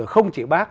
không chỉ bác